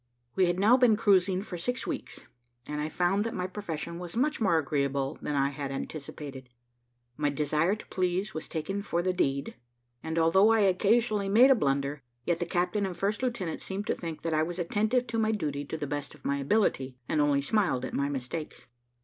We had now been cruising for six weeks, and I found that my profession was much more agreeable than I had anticipated. My desire to please was taken for the deed; and, although I occasionally made a blunder, yet the captain and first lieutenant seemed to think that I was attentive to my duty to the best of my ability, and only smiled at my mistakes.